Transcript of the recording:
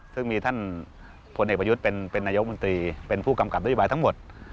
ซึ่งมีท่านพลเอกประยุทธ์เป็นนายกมนตรีเป็นผู้กำกับนโยบายทั้งหมด